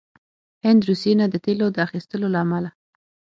هند روسيې نه د تیلو د اخیستلو له امله